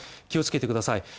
気をつけてください。